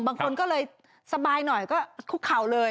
บางคนก็เลยสบายหน่อยก็คุกเข่าเลย